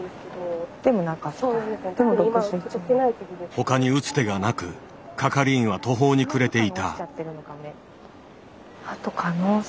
他に打つ手がなく係員は途方に暮れていた。